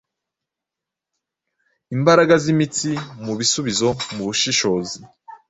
Imbaraga zimitsimubisubizo mubushishozi